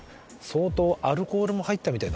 相当アルコールも入ったみたいだね。